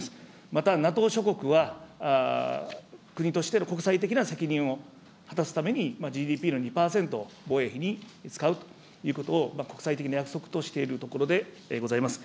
また、ＮＡＴＯ諸国は、国としての国際的な責任を果たすために、ＧＤＰの２％を防衛費に使うということを、国際的な約束としているところでございます。